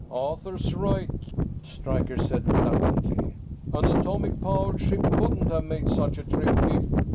"Arthur's right," Stryker said reluctantly. "An atomic powered ship couldn't have made such a trip, Gib.